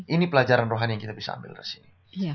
ini pelajaran rohani yang kita bisa ambil dari sini